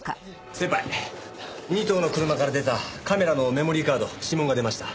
先輩仁藤の車から出たカメラのメモリーカード指紋が出ました。